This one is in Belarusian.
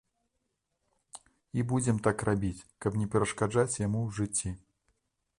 І будзем так рабіць, каб не перашкаджаць яму ў жыцці.